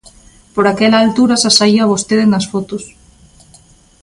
Por aquela altura xa saía vostede nas fotos.